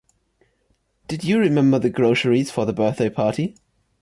Did you remember the groceries for the birthday party?